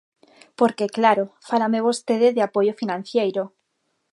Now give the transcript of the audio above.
Porque, claro, fálame vostede de apoio financeiro.